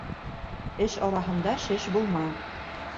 Эш араһында шеш булма.